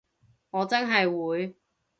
我真係會